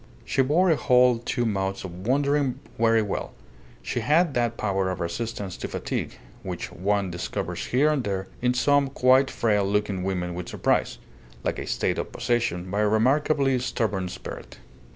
She bore a whole two months of wandering very well; she had that power of resistance to fatigue which one discovers here and there in some quite frail looking women with surprise like a state of possession by a remarkably stubborn spirit.